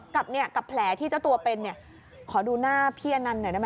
กับเนี่ยกับแผลที่เจ้าตัวเป็นเนี่ย